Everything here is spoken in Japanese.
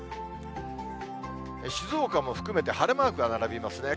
静岡も含めて晴れマークが並びますね。